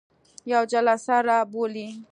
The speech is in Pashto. یوه جلسه را بولي.